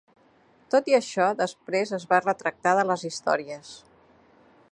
Tot i això, després es va retractar de les històries.